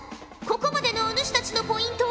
ここまでのお主たちのポイントは。